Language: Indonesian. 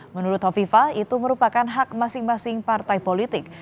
menurut kofifa itu merupakan hak masing masing partai politik